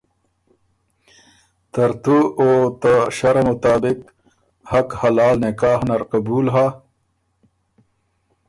ترتُو او ته شرع مطابق حق حلال نکاح نر قبول هۀ؟